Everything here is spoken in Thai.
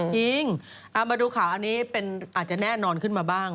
จริงเอามาดูข่าวอันนี้อาจจะแน่นอนขึ้นมาบ้าง